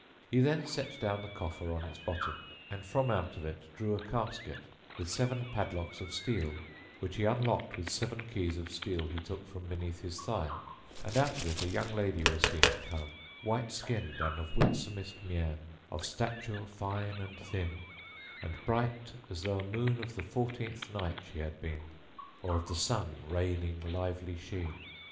He then set down the coffer on its bottom and out it drew a casket, with seven padlocks of steel, which he unlocked with seven keys of steel he took from beside his thigh, and out of it a young lady to come was seen, white skinned and of winsomest mien, of stature fine and thin, and bright as though a moon of the fourteenth night she had been, or the sun raining lively sheen.